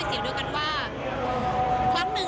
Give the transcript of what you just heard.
ตอนนี้เป็นครั้งหนึ่งครั้งหนึ่ง